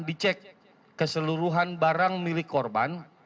dicek keseluruhan barang milik korban